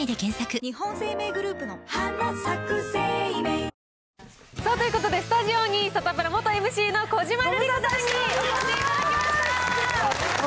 ニトリということで、スタジオにサタプラ元ＭＣの小島瑠璃子さんに来ていただきました。